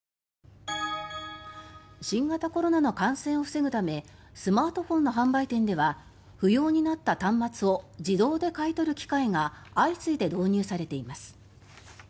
新型コロナの感染を防ぐためスマートフォンの販売店では不要になった端末を自動で買い取る機械が相次いで導入されています。